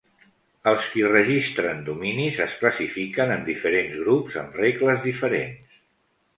Els qui registren dominis es classifiquen en diferents grups amb regles diferents.